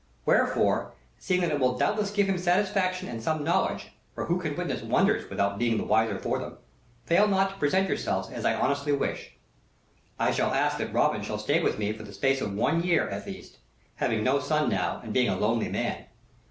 "Wherefore, seeing that it will doubtless give him satisfaction and some knowledge (for who can witness wonders without being the wiser for them?), fail not to present yourselves as I honestly wish. I also ask that Robin shall stay with me for the space of one year at least, having no son now and being a lonely man.